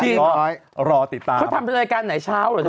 จริงเหรอรอติดตามเขาทำรายการไหนเช้าหรือเปล่า